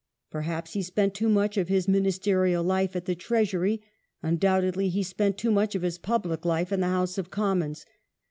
Perhaps he spent too much of his ministerial life at the Treasury ; undoubtedly he spent too much of his public life in the House of Commons.